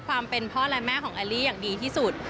ความเป็นพ่อและแม่ของแอลลี่อย่างดีที่สุด